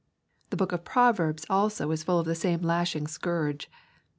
The Book of Proverbs also is full of the same lashing scourge.